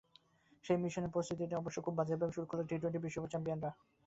সেই মিশনের প্রস্তুতিটা অবশ্য খুবই বাজেভাবে শুরু করল টি-টোয়েন্টির বিশ্ব চ্যাম্পিয়নরা।